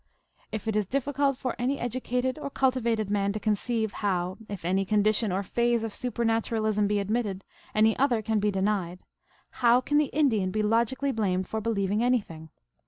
If it is difficult for any educated or culti vated man to conceive how, if any condition or phase of supernaturalism be admitted, any other can be de nied, how can the Indian be logically blamed for be lieving anything